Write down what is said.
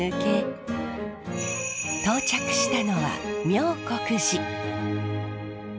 到着したのは妙国寺。